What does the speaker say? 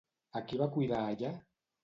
A qui va cuidar allà?